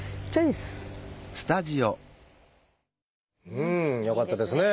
うん！よかったですね。